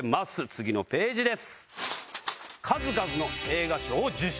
次のページです。